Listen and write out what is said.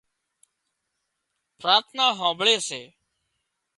پراٿنا هانمڀۯي سي